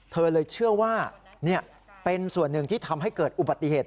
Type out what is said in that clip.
เธอเลยเชื่อว่าเป็นส่วนหนึ่งที่ทำให้เกิดอุบัติเหตุ